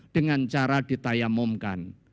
dengan cara ditayamumkan